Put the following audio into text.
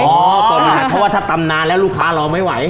ประมาณเพราะว่าถ้าตำนานแล้วลูกค้ารอไม่ไหว